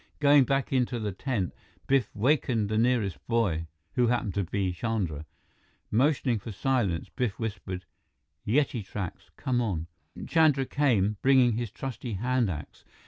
Going back into the tent, Biff wakened the nearest boy, who happened to be Chandra. Motioning for silence, Biff whispered: "Yeti tracks! Come on!" Chandra came, bringing his trusty hand axe.